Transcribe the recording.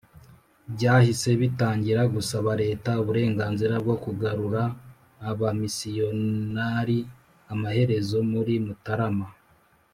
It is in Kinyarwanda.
byahise bitangira gusaba leta uburenganzira bwo kugarura abamisiyonari Amaherezo muri Mutarama